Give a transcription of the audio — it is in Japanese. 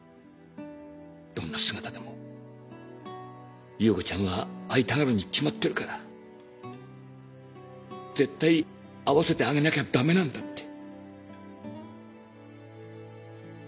どんな姿でも優子ちゃんが会いたがるに決まってるから絶対会わせてあげなきゃダメなんだって。